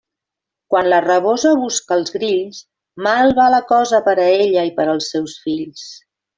Quan la rabosa busca els grills, mal va la cosa per a ella i per als seus fills.